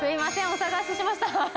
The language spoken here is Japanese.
お騒がせしました。